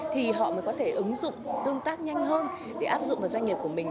thì họ mới có thể ứng dụng tương tác nhanh hơn để áp dụng vào doanh nghiệp của mình